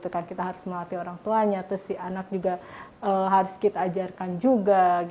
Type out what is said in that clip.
kita harus melatih orang tuanya terus si anak juga harus kita ajarkan juga